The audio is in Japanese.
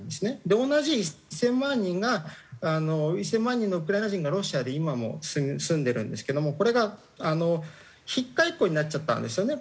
同じ１０００万人があの１０００万人のウクライナ人がロシアで今も住んでるんですけどもこれが引き換えっこになっちゃったんですよね